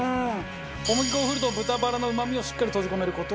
小麦粉を振ると豚バラのうまみをしっかり閉じ込める事ができます。